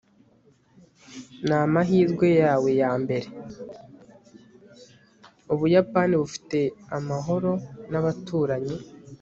ubuyapani bufite amahoro n'abaturanyi